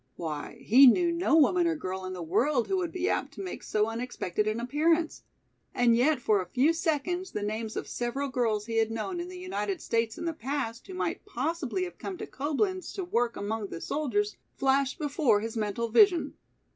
Why, he knew no woman or girl in the world who would be apt to make so unexpected an appearance! And yet for a few seconds the names of several girls he had known in the United States in the past who might possibly have come to Coblenz to work among the soldiers flashed before his mental vision.